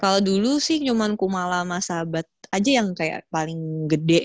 kalau dulu sih cuma kumala sama sahabat aja yang kayak paling gede